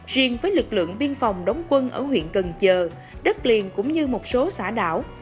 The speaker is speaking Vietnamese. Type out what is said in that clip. riêng với lực lượng biên phòng đóng quân ở huyện cần giờ đất liền cũng như một số xã đảo